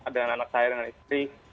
ada anak saya dan istri